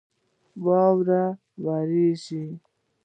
واوره رېږي.